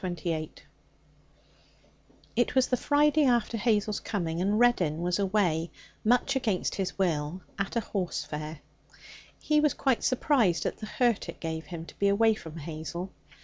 Chapter 28 It was the Friday after Hazel's coming, and Reddin was away, much against his will, at a horse fair. He was quite surprised at the hurt it gave him to be away from Hazel.